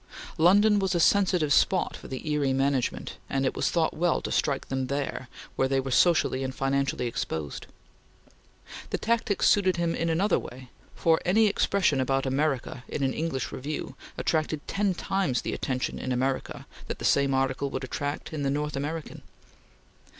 London was a sensitive spot for the Erie management, and it was thought well to strike them there, where they were socially and financially exposed. The tactics suited him in another way, for any expression about America in an English review attracted ten times the attention in America that the same article would attract in the North American.